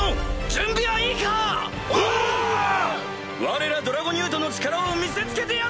われらドラゴニュートの力を見せつけてやろうぞ！